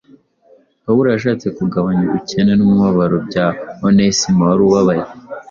Pawulo yashatse kugabanya ubukene n’umubabaro bya Onesimo wari ubabaye,